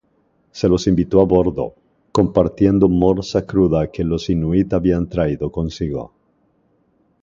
Se los invitó a bordo, compartiendo morsa cruda que los inuit habían traído consigo.